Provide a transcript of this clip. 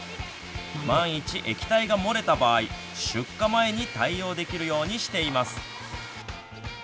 万一、液体が漏れた場合出荷前に対応できるようにしています。